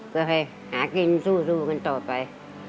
ก็ให้หากินสู้กันต่อไป